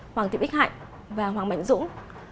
hoàng tiệp ích hạnh và hoàng bảnh dũng